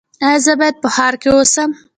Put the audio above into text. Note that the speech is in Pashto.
ایا زه باید په ښار کې اوسم؟